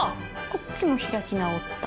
こっちも開き直った。